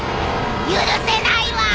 許せないわー！